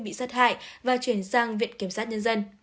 bị sát hại và chuyển sang viện kiểm sát nhân dân